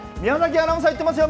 アナウンサー、行ってますよ。